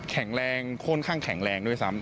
แข็งแรงค่อนข้างแข็งแรงด้วยซ้ำ